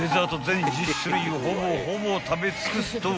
全１０種類をほぼほぼ食べ尽くすと］